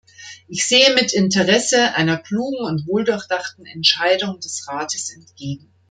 Ich sehe mit Interesse einer klugen und wohldurchdachten Entscheidung des Rates entgegen.